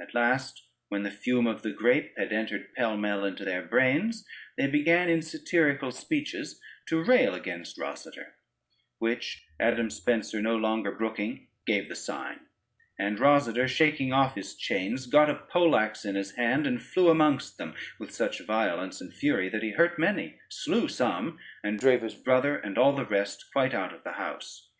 At last, when the fume of the grape had entered pell mell into their brains, they began in satirical speeches to rail against Rosader: which Adam Spencer no longer brooking, gave the sign, and Rosader shaking off his chains got a poleaxe in his hand, and flew amongst them with such violence and fury, that he hurt many, slew some, and drave his brother and the rest quite out of the house.